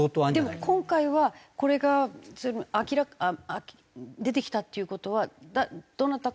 でも今回はこれが明らか出てきたっていう事はどなたかが。